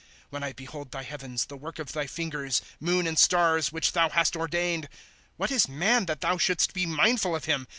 ^ When I behold thy heavens, the work of thy fingers, Moon and stars which thou hast ordained ;* What is man, that thou shouldst be mindful of him.